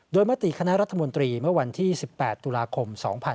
โดยมติคณะรัฐมนตรีเมื่อวันที่๑๘ตุลาคม๒๕๖๒